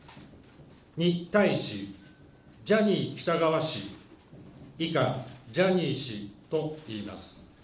に対し、ジャニー喜多川氏、以下、ジャニー氏といいます。